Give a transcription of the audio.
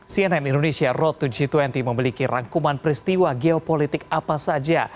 cnn indonesia road to g dua puluh memiliki rangkuman peristiwa geopolitik apa saja